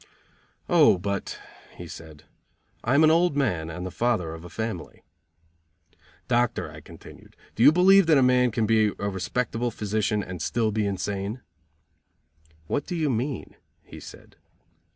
"Oh, but," he said, "I am an old man and the father of a family." "Doctor," I continued, "do you believe that a man can be a respectable physician and still be insane?" "What do you mean?" he said.